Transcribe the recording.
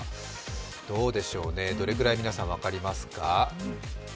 どうでしょうね、どれくらい皆さん、分かりますか？